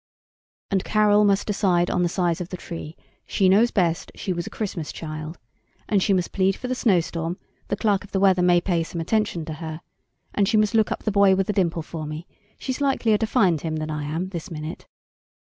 And Carol must decide on the size of the tree she knows best, she was a Christmas child; and she must plead for the snow storm the 'clerk of the weather' may pay some attention to her; and she must look up the boy with the dimple for me she's likelier to find him than I am, this minute.